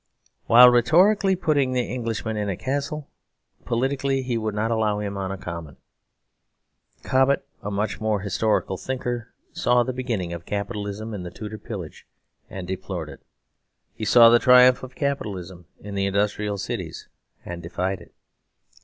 While rhetorically putting the Englishman in a castle, politically he would not allow him on a common. Cobbett, a much more historical thinker, saw the beginning of Capitalism in the Tudor pillage and deplored it; he saw the triumph of Capitalism in the industrial cities and defied it.